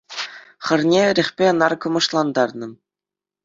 Хӗрне эрехпе наркӑмӑшлантарнӑ